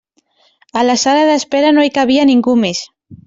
A la sala d'espera no hi cabia ningú més.